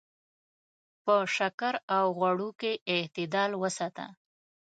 په شکر او غوړو کې اعتدال وساته.